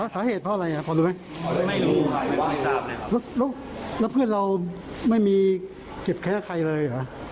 เก็บแค้นใครเลย